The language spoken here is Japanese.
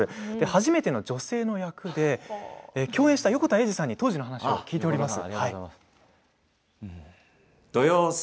初めての女性の役で共演した横田栄司さんに当時の話を聞いてきました。